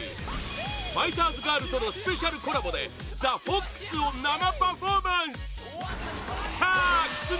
ファイターズガールとのスペシャルコラボで「ＴｈｅＦｏｘ」を生パフォーマンス！